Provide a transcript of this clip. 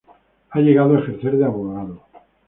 Ha llegado a ejercer de abogado.